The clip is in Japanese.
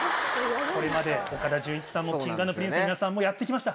これまで岡田准一さんもＫｉｎｇ＆Ｐｒｉｎｃｅの皆さんもやって来ました。